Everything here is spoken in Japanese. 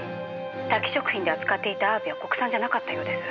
タキ食品で扱っていたあわびは国産じゃなかったようです」